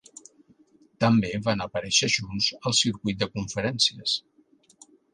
També van aparèixer junts al circuit de conferències.